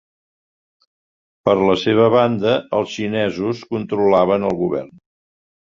Per la seva banda, els xinesos controlaven el govern.